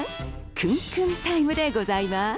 クンクンタイムでございます。